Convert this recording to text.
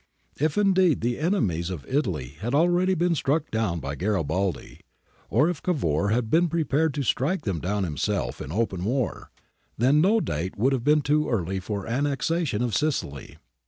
If indeed the enemies of Italy had already been struck down by Garibaldi, or if Cavour had been prepared to strike them down himself in open war, then no date would have been too early for the annexation of Sicily.